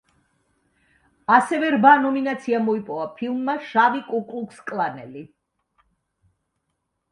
ასევე რვა ნომინაცია მოიპოვა ფილმმა „შავი კუკლუქსკლანელი“.